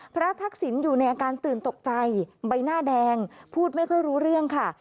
ทักษิณอยู่ในอาการตื่นตกใจใบหน้าแดงพูดไม่ค่อยรู้เรื่องค่ะ